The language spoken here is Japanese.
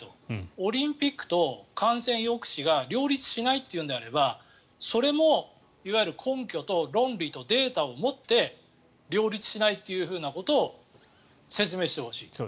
オリンピックと感染抑止が両立しないというのであればそれもいわゆる根拠と論理とデータをもって両立しないということを説明してほしい。